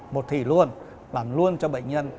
một thỉ luôn làm luôn cho bệnh nhân